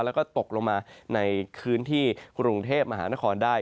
และตกลงมาในคืนที่กรุงเทพฯมหานครได้